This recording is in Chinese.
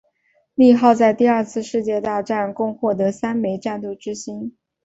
利号在第二次世界大战共获得三枚战斗之星。